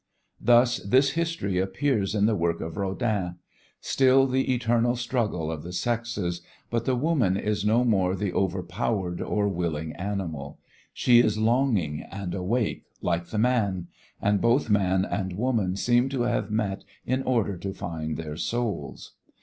Thus this history appears in the work of Rodin; still the eternal struggle of the sexes, but the woman is no more the overpowered or willing animal. She is longing and awake like the man, and both man and woman seem to have met in order to find their souls.